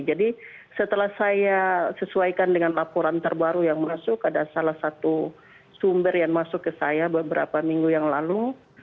jadi setelah saya sesuaikan dengan laporan terbaru yang masuk ada salah satu sumber yang masuk ke saya beberapa minggu yang lalu